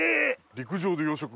陸上で養殖？